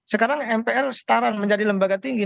sekarang mpr setara menjadi lembaga tinggi